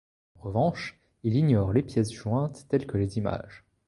En revanche, il ignore les pièces jointes telles que les images.